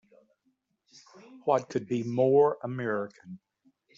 What could be more American!